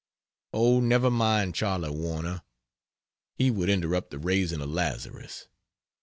Oh, never mind Charley Warner, he would interrupt the raising of Lazarus.